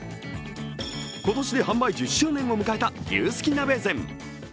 今年で販売１０周年を迎えた牛すき鍋膳。